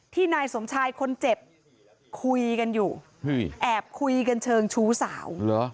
นายสมชายคนเจ็บคุยกันอยู่แอบคุยกันเชิงชู้สาว